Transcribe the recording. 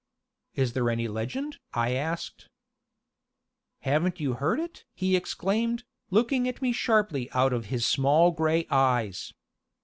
"Is there any legend?" I asked. "Haven't you heard it?" he exclaimed, looking at me sharply out of his small gray eyes.